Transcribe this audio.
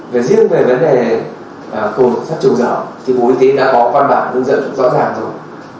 và riêng về vấn đề cồn sắt trùng rẫm thì bộ y tế đã có quan bản dẫn dẫn rõ ràng rồi